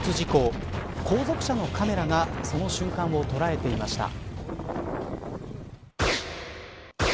後続車のカメラがその瞬間をとらえていました。